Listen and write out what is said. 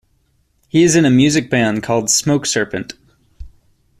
He is in a music band called "Smoke Serpent".